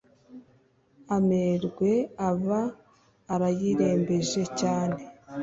amerwe aba arayirembeje cyane